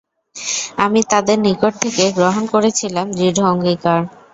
আমি তাদের নিকট থেকে গ্রহণ করেছিলাম দৃঢ় অঙ্গীকার।